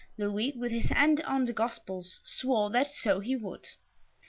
Louis, with his hand on the Gospels, "swore that so he would."